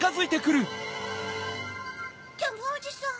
ジャムおじさん。